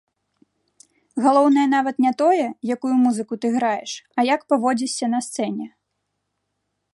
Галоўнае нават не тое, якую музыку ты граеш, а як паводзішся на сцэне.